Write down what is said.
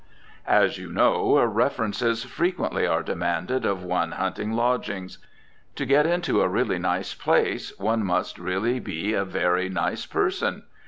As you know, "references" frequently are demanded of one hunting lodgings. To get into a really nice place one must really be a very nice person.